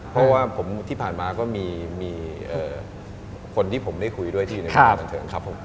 เพราะว่าที่ผ่านมาก็มีคนที่ผมได้คุยด้วยที่อยู่ในวงการบันเทิงครับผม